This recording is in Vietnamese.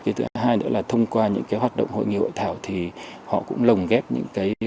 cái thứ hai nữa là thông qua những hoạt động hội nghị hội thảo thì họ cũng lồng ghép những hình ảnh sai lịch